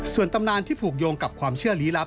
ส่วนตำนานที่ผูกโยงกับความเชื่อลี้ลับ